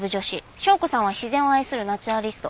紹子さんは自然を愛するナチュラリスト。